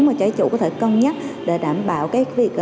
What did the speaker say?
mà trái chủ có thể cân nhắc để đảm bảo cái việc